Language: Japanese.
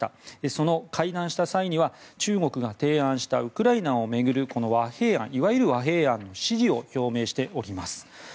その会談した際には中国が提案したウクライナを巡るいわゆる和平案への支持を表明しております。